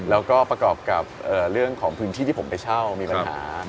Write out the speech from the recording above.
แล้วก็ประกอบกับเรื่องของพื้นที่ที่ผมไปเช่ามีปัญหา